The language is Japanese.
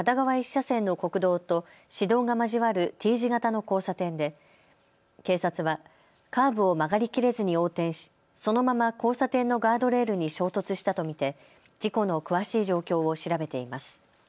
１車線の国道と市道が交わるＴ字型の交差点で警察はカーブを曲がりきれずに横転しそのまま交差点のガードレールに衝突したと見て事故の詳しい状況を調べています。